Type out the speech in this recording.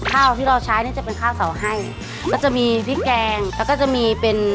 ข้าวที่เราใช้เนี่ยจะเป็นข้าวเสาให้ก็จะมีพริกแกงแล้วก็จะมีเป็น